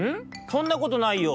そんなことないよ。